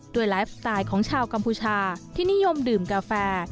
ไลฟ์สไตล์ของชาวกัมพูชาที่นิยมดื่มกาแฟ